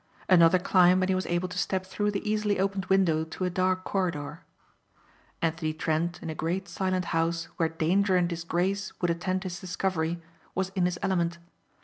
Another climb and he was able to step through the easily opened window to a dark corridor. Anthony Trent in a great silent house where danger and disgrace would attend his discovery was in his element.